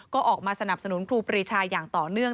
ก็ออกมาสนับสนุนครูปรีชาอย่างต่อเนื่อง